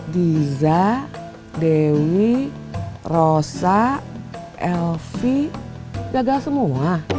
diza dewi rosa elvi gagal semua